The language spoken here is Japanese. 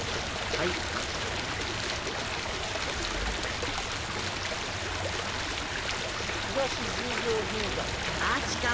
はい「東十条銀座」。